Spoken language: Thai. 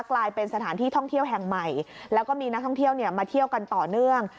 กลายเป็นสถานที่ท่องเที่ยวแห่งใหม่แล้วก็มีนักท่องเที่ยวมาเที่ยวกันต่อเนื่อง